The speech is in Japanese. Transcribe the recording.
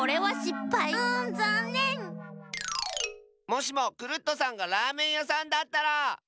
もしもクルットさんがラーメンやさんだったら！